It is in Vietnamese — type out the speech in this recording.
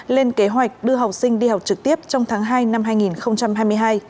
lên kế hoạch đưa học sinh đi học trực tiếp trong tháng hai năm hai nghìn hai mươi hai